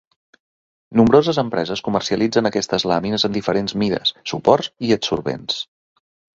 Nombroses empreses comercialitzen aquestes làmines en diferents mides, suports i adsorbents.